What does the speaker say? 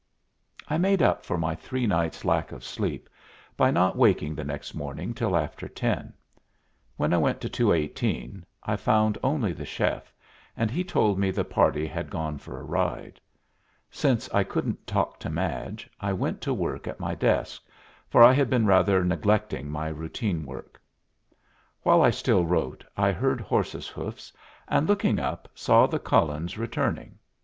I made up for my three nights' lack of sleep by not waking the next morning till after ten. When I went to 218, I found only the chef, and he told me the party had gone for a ride. Since I couldn't talk to Madge, I went to work at my desk, for I had been rather neglecting my routine work. While I still wrote, I heard horses' hoofs, and, looking up, saw the Cullens returning.